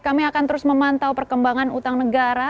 kami akan terus memantau perkembangan utang negara